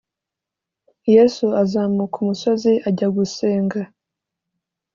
yesu azamuka umusozi ajya gusenga